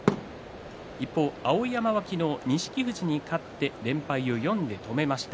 一方の碧山は昨日錦富士に勝って連敗を４で止めました。